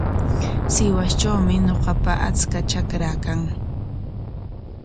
Sihuastrawmi ñuqapa achka trakaa kan.